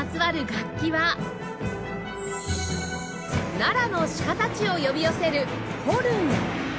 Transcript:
奈良の鹿たちを呼び寄せるホルン